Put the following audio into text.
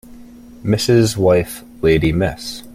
Mrs. wife lady Miss